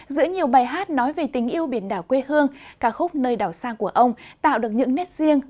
giữa nhiều bài hát nói về tình yêu biển đảo quê hương ca khúc nơi đảo xa của ông tạo được những nét riêng